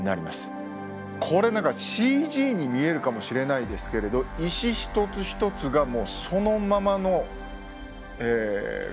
これ何かＣＧに見えるかもしれないですけれど石一つ一つがそのままの形です。